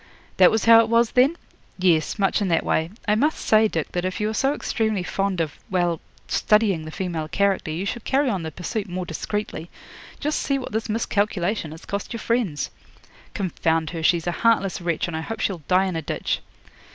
'That was how it was, then?' 'Yes, much in that way. I must say, Dick, that if you are so extremely fond of well studying the female character, you should carry on the pursuit more discreetly. Just see what this miscalculation has cost your friends!' 'Confound her! She's a heartless wretch, and I hope she'll die in a ditch.'